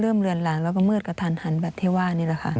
เริ่มเรือนหลานแล้วก็มืดกระทันหันแบบเทว่านี่แหละครับ